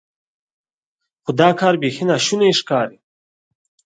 خو دا کار بیخي ناشونی ښکاري.